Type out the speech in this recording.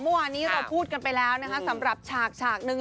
เมื่อวานนี้เราพูดกันไปแล้วนะคะสำหรับฉากฉากหนึ่ง